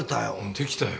できたよ。